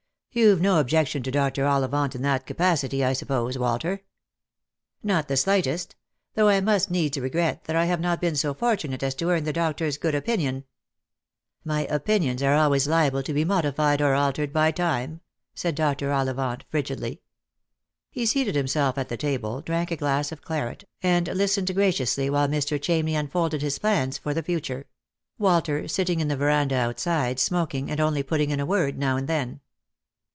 You've no objection to Dr. Ollivant in that capacity, I suppose, Walter ?"" Not the slightest ; though I must needs regret that I have not been so fortunate as to earn the doctor's good opinion." " My opinions are always liable to be modified or altered by time," said Dr. Ollivant frigidly. He seated himself at the table, drank a glass of claret, and listened graciously while Mr. Chamney unfolded his plans for the future ; Walter sitting in the verandah outside, smoking, and only putting in a word now and then.